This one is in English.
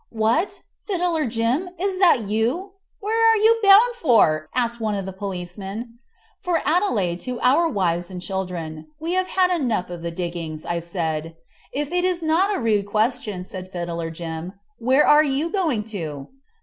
"What! Fiddler Jim, is that you? where are you bound for?" asked one of the policemen. "For Adelaide, to our wives and children. We have had enough of the diggings," said I. "If it is not a rude question," said Fiddler Jim, "where are you going to?"